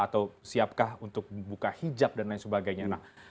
atau siapkah untuk buka hijab dan lain sebagainya